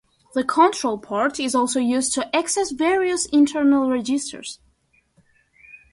The control port is also used to access various internal registers.